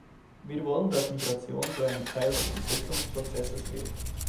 Wir wollen, dass Migration zu einem Teil des Entwicklungsprozesses wird.